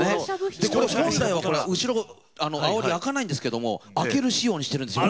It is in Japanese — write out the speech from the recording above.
でこれ本来は後ろアオリ開かないんですけども開ける仕様にしてるんですよ。